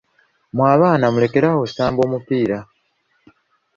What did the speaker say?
Mwe abaana mulekere awo okusamba omupiira.